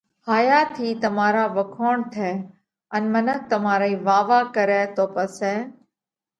هائِيا ٿِي تمارا وکوڻ ٿئہ ان منک تمارئِي واه واه ڪرئہ تو پسئہ